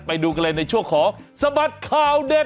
ไปดูกันเลยในช่วงของสบัดข่าวเด็ด